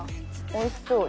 おいしそう。